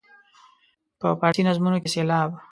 په فارسي نظمونو کې سېلاب.